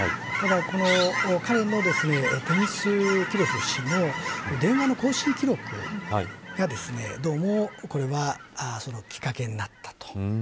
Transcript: ただ、この彼のデニス・キレフ氏の電話の交信記録がどうもこれはきっかけになったと。